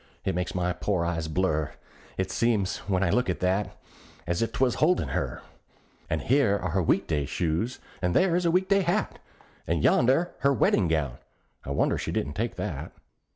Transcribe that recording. it makes my poor eyes blur; It seems, when I look at that, as if 'twas holdin' her. And here are her week day shoes, and there is her week day hat, And yonder's her weddin' gown: I wonder she didn't take that.